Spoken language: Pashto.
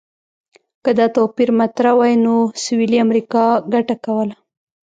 که دا توپیر مطرح وای، نو سویلي امریکا ګټه کوله.